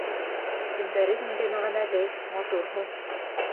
Исемдәре ниндәй мәғәнәле, матур һуң!